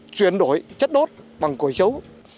chuyển đổi chất đốt bằng cổi chấu